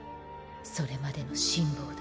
それまでの辛抱だ。